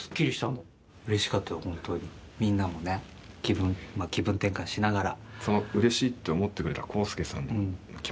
みんなもね気分転換しながら。